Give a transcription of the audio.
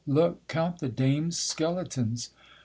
look! Count the dames' skeletons!'